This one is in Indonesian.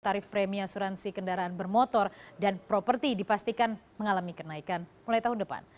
tarif premi asuransi kendaraan bermotor dan properti dipastikan mengalami kenaikan mulai tahun depan